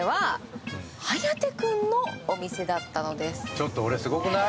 ちょっと俺すごくない？